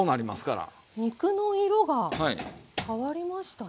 肉の色が変わりましたね。